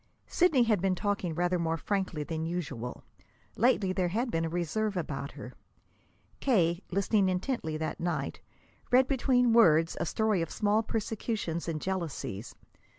Sidney had been talking rather more frankly than usual. Lately there had been a reserve about her. K., listening intently that night, read between words a story of small persecutions and jealousies.